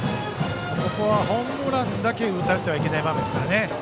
ここはホームランだけは打たれてはいけない場面ですから。